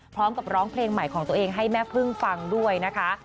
พร้อมกับร้องเพลงใหม่ของตัวเองให้แม่พึ่งฟังด้วยนะคะ